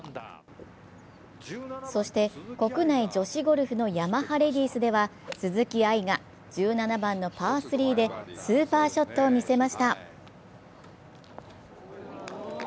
そして、国内女子ゴルフのヤマハレディースでは、鈴木愛が１７番のパー３でスーパーショットを見せました。